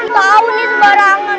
tahu nih sebarangan